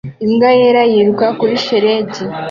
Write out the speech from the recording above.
Imbwa yera yiruka kuri shelegi